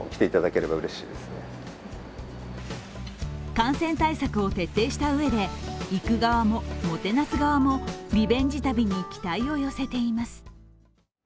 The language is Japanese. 感染対策を徹底したうえで行く側も、もてなす側もリベンジ旅に期待を寄せています。